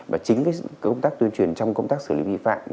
và chính công tác tuyên truyền trong công tác xử lý vi phạm